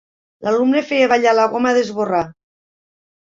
L'alumne feia ballar la goma d'esborrar.